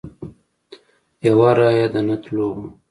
یو رایه د نه تلو وه.